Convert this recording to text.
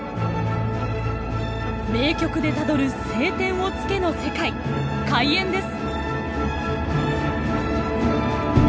「名曲でたどる『青天を衝け』の世界」開演です！